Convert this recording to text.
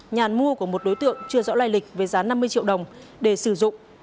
nhàn mua của một đối tượng chưa rõ loài lịch với giá năm mươi triệu đồng để sử dụng